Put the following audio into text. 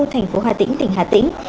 thành phố hà tĩnh tỉnh hà tĩnh